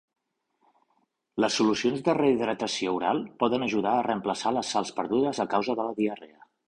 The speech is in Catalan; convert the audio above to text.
Les solucions de rehidratació oral poden ajuda a reemplaçar les sals perdudes a causa de la diarrea.